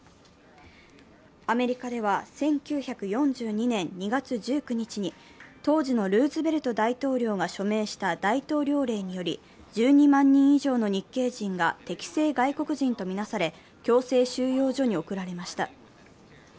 アメリカでは１９４２年２月１９日に当時のルーズベルト大統領が署名した大統領令により１２万人以上の日系人が敵性外国人と見なされ強制収容所に送られました。